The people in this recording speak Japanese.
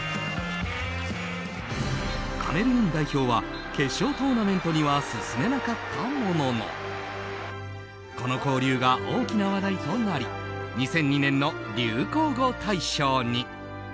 カメルーン代表は決勝トーナメントには進めなかったもののその交流も大きな話題となり２００２年の流行語大賞に。